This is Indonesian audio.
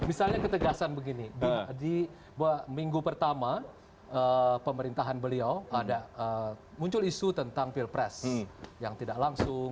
misalnya ketegasan begini di minggu pertama pemerintahan beliau ada muncul isu tentang pilpres yang tidak langsung